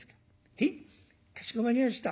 へいかしこまりました。